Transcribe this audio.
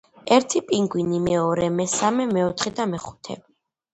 ერთი პინგვინი, მეორე, მესამე, მეოთხე და მეხუთე.